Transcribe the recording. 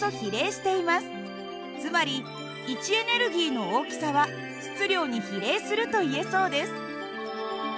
つまり位置エネルギーの大きさは質量に比例するといえそうです。